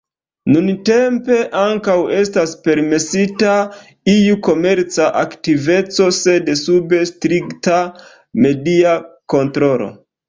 Nuntempe, ankaŭ estas permesita iu komerca aktiveco sed sub strikta media kontrolo.